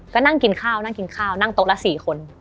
ก็นั่งกินข้าวนั่งกินข้าวนั่งโต๊ะละ๔คน